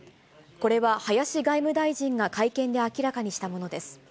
これは林外務大臣が会見で明らかにしたものです。